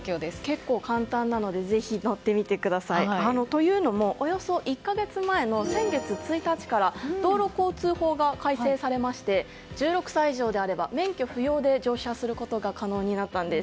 結構、簡単なのでぜひ乗ってみてください。というのも、およそ１か月前の先月１日から道路交通法が改正されて１６歳以上であれば免許不要で乗車することが可能になったんです。